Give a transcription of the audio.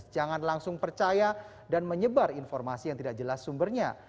jangan langsung percaya dan menyebar informasi yang tidak jelas sumbernya